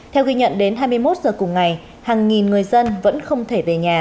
theo ghi nhận đến hai mươi một giờ cùng ngày hàng nghìn người dân vẫn không thể về nhà